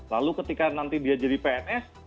lalu ketika nanti dia jadi pns